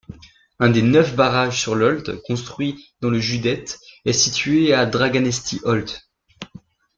Un des neuf barrages sur l'Olt construits dans le județ est situé à Drăgănești-Olt.